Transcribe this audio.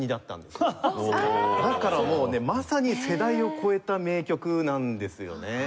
だからもうねまさに世代を超えた名曲なんですよね。